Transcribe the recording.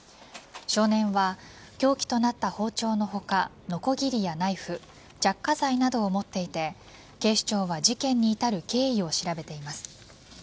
少年は凶器となった包丁の他のこぎりやナイフ着火剤などを持っていって警視庁は事件に至る経緯を調べています。